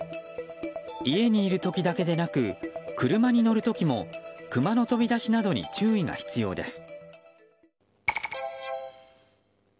家にいる時だけでなく車に乗る時もクマの飛び出しなどに注意が必要です。